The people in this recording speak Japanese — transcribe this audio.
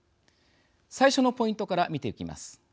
最初のポイントから見ていきます。